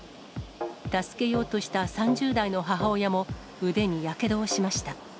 助けようとした３０代の母親も腕にやけどをしました。